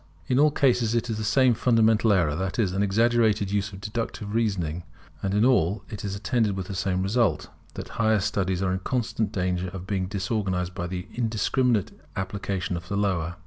In all cases it is the same fundamental error: that is, an exaggerated use of deductive reasoning; and in all it is attended with the same result; that the higher studies are in constant danger of being disorganized by the indiscriminate application of the lower.